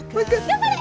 頑張れ！